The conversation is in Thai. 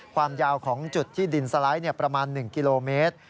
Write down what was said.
ความยาวของจุดที่ดินสไลด์ประมาณ๑กิโลเมตร